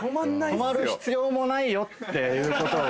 止まる必要もないよってことを。